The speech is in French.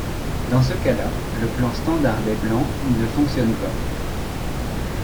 Dans ce cas là, le plan standard des blancs ne fonctionne pas.